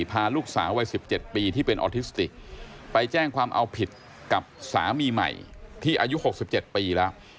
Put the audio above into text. พาลูกสาวัยสิบเจ็ดปีที่เป็นออทิสติกไปแจ้งความเอาผิดกับสามีใหม่ที่อายุหกสิบเจ็ดปีแล้ว